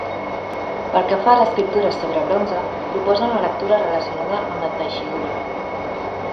Pel que fa a l'escriptura sobre bronze, proposa una lectura relacionada amb la teixidura.